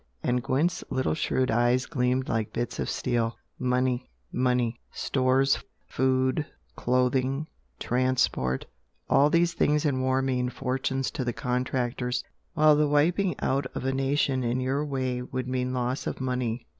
and Gwent's little shrewd eyes gleamed like bits of steel. "Money! money! Stores food, clothing transport all these things in war mean fortunes to the contractors while the wiping out of a nation in YOUR way would mean loss of money.